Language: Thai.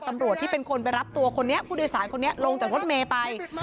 ตำรวจที่เป็นคนไปรับตัวคนนี้ผู้โดยสารคนนี้ลงจากรถเมย์ไป